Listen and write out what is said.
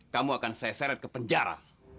kamu akan saya seret ke penjara